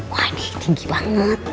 wah ini tinggi banget